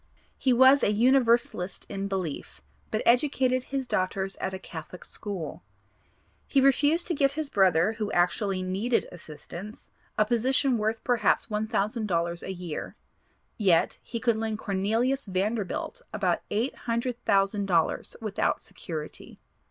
He was a Universalist in belief, but educated his daughters at a Catholic school. He refused to get his brother, who actually needed assistance, a position worth perhaps $1,000 a year; yet, he could lend Corneel. Vanderbilt about eight hundred thousand dollars without security.